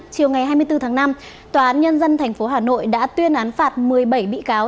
chiều ngày hai mươi bốn tháng năm tòa án nhân dân tp hà nội đã tuyên án phạt một mươi bảy bị cáo